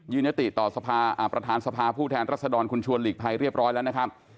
ยติต่อประธานสภาผู้แทนรัศดรคุณชวนหลีกภัยเรียบร้อยแล้วนะครับ